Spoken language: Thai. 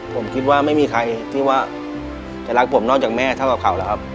ผมคิดว่าไม่มีใครที่ว่าจะรักผมนอกจากแม่เท่ากับเขาแล้วครับ